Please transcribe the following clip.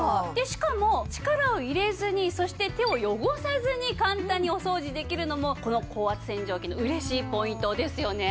しかも力を入れずにそして手を汚さずに簡単にお掃除できるのもこの高圧洗浄機の嬉しいポイントですよね。